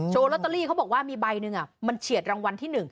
ลอตเตอรี่เขาบอกว่ามีใบหนึ่งมันเฉียดรางวัลที่๑